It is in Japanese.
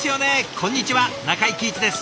こんにちは中井貴一です。